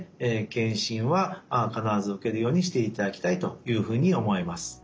検診は必ず受けるようにしていただきたいというふうに思います。